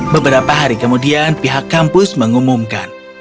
beberapa hari kemudian pihak kampus mengumumkan